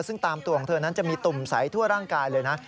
ซึ่งตามตัวของเธอนั้นจะมีตุ่มใสทั่วร่างกายเลยนะ